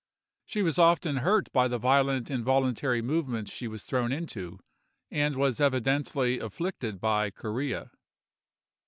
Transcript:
She was often hurt by the violent involuntary movements she was thrown into, and was evidently afflicted by chorea.